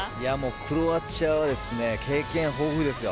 クロアチアはですね経験豊富ですよ。